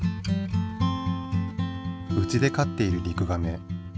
うちでかっているリクガメ。